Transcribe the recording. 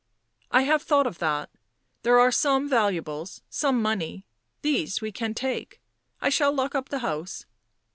" I have thought of that. There are some valuables ; some money ; these we can take — I shall lock up the house."